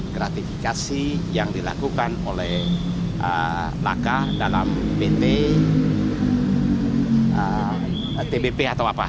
gratifikasi yang dilakukan oleh laka dalam pt tbp atau apa